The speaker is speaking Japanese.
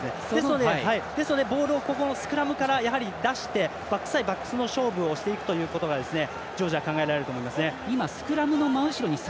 ですので、ボールをスクラムから出してバックス対バックスの勝負をしていくということがジョージア考えられると思います。